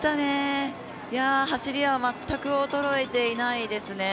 走りは全く衰えていないですね。